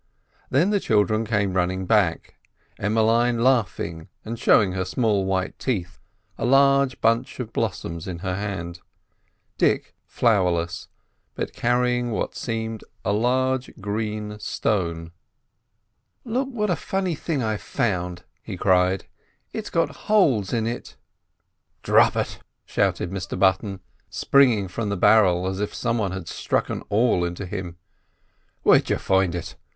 Then the children came running back, Emmeline laughing and showing her small white teeth, a large bunch of blossoms in her hand; Dick flowerless, but carrying what seemed a large green stone. "Look at what a funny thing I've found!" he cried; "it's got holes in it." "Dhrap it!" shouted Mr Button, springing from the barrel as if some one had stuck an awl into him. "Where'd you find it?